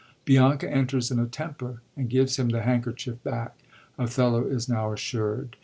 Bianca enters in a temper and gives him the handkerchief back. Othello is now assured.